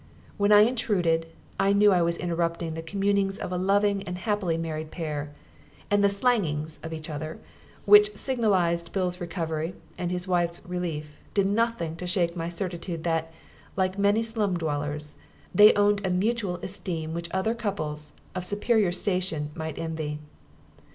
When I intruded, I knew I was interrupting the communings of a loving and happily married pair; and the "slangings" of each other which signalised Bill's recovery and his wife's relief, did nothing to shake my certitude that, like many slum dwellers, they owned a mutual esteem which other couples, of superior station, might envy.